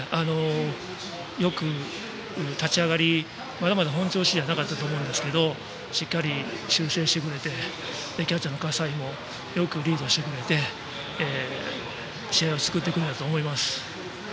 よく立ち上がりまだまだ本調子ではなかったと思うんですけどしっかり集中してくれてキャッチャーの笠井もよくリードしてくれて試合を作ってくれたと思います。